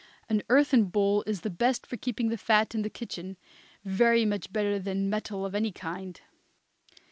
An earthen bowl is the best for keeping the fat in the kitchen, very much better than metal of any kind.